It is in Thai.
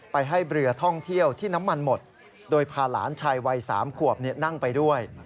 ไปให้เรือท่องเที่ยวที่น้ำมันหมดโดยพาหลานชายวัย๓ขวบนั่งไปด้วย